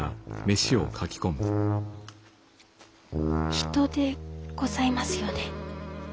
人でございますよね？